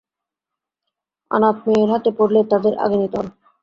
অনাথ মেয়ে হাতে পড়লে তাদের আগে নিতে হবে।